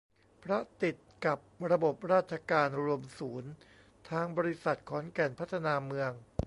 เพราะติดกับระบบราชการรวมศูนย์ ทางบริษัทขอนแก่นพัฒนาเมือง